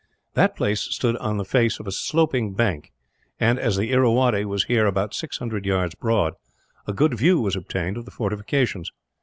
That place stood on the face of a sloping hill and, as the Irrawaddy was here but 600 yards broad, a good view was obtained of the fortifications.